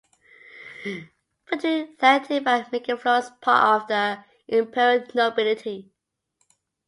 Frederick thanked him by making Floris part of the imperial nobility.